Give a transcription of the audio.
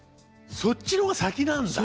そっちの方が先なんだ。